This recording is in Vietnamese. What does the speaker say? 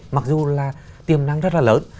mặc dù là tiềm năng rất là lớn